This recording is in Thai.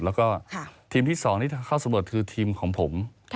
แล้วก็ทีมที่๒ที่เข้าสำรวจคือทีมของผม